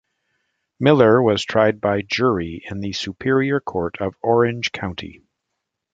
Miller was tried by jury in the Superior Court of Orange County.